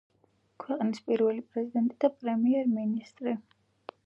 ქვეყნის პირველი პრეზიდენტი და პრემიერ-მინისტრი.